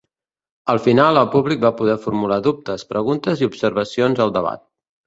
Al final, el públic va poder formular dubtes, preguntes i observacions al debat.